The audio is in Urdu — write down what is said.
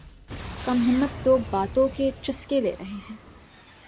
کم ہمت لوگ باتوں کے چسکے لے رہے ہیں